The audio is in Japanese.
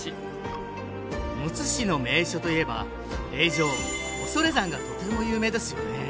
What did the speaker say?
むつ市の名所といえば霊場恐山がとても有名ですよね